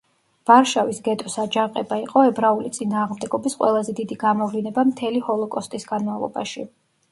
ვარშავის გეტოს აჯანყება იყო ებრაული წინააღმდეგობის ყველაზე დიდი გამოვლინება მთელი ჰოლოკოსტის განმავლობაში.